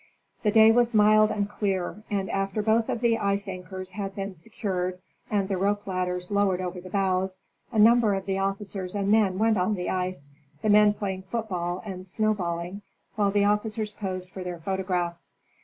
The day was mild and clear, and, after both of the ice anchors had been secured and the rope ladders lowered over the bows, a number of the officers and men went on the ice, the men playing foot ball and snow balling, while the officers posed for their photographs.